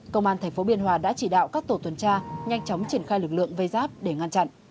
công an tp biên hòa đã chỉ đạo các tổ tuần tra nhanh chóng triển khai lực lượng vây giáp để ngăn chặn